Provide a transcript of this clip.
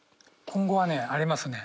今後はねありますね。